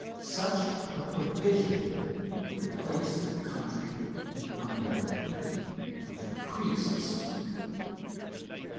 Such a provision would place the country under the feet of priests.